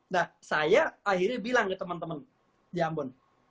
nah saya akhirnya bilang ke teman teman di ambon